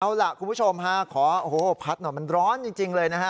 เอาล่ะคุณผู้ชมฮะขอโอ้โหพัดหน่อยมันร้อนจริงเลยนะฮะ